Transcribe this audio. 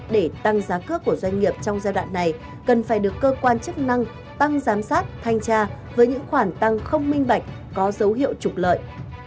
để tăng giá cước của doanh nghiệp trong giai đoạn này cần phải được cơ quan chức năng tăng giám sát thanh tra với những khoản tăng không minh bạch có dấu hiệu trục lợi